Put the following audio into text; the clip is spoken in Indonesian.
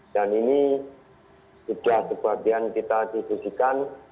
dan ini sudah sebagian kita disusikan